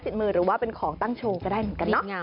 มือหรือว่าเป็นของตั้งโชว์ก็ได้เหมือนกันนะ